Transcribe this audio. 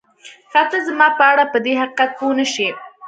که ته زما په اړه پدې حقیقت پوه نه شې